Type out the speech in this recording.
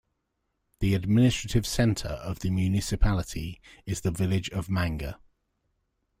The administrative centre of the municipality is the village of Manger.